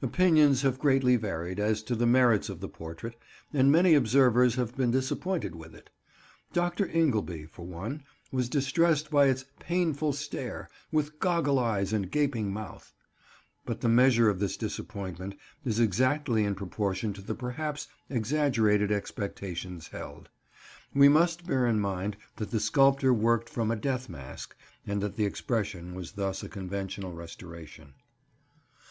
Opinions have greatly varied as to the merits of the portrait, and many observers have been disappointed with it. Dr. Ingleby, for one, was distressed by its "painful stare, with goggle eyes and gaping mouth." But the measure of this disappointment is exactly in proportion to the perhaps exaggerated expectations held. We must bear in mind that the sculptor worked from a death mask, and that the expression was thus a conventional restoration.